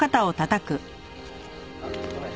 あっごめん。